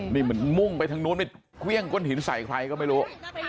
นี่มันมุ่งไปทั้งโน้นมันเวี้ยงก้นหินใส่ใครก็ไม่รู้